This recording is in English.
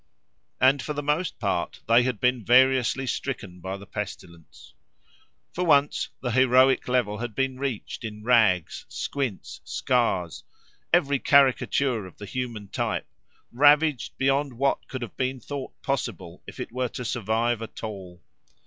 And for the most part they had been variously stricken by the pestilence. For once, the heroic level had been reached in rags, squints, scars—every caricature of the human type—ravaged beyond what could have been thought possible if it were to survive at all.